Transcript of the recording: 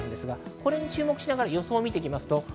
これに注目しながら予想を見ていきます。